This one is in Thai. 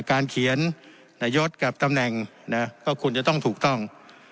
การเขียนนายศกับตำแหน่งก็ควรจะต้องถูกต้อง